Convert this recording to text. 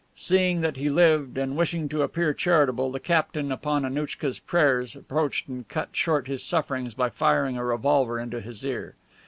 Seeing that he lived, and wishing to appear charitable, the captain, upon Annouchka's prayers, approached and cut short his sufferings by firing a revolver into his ear.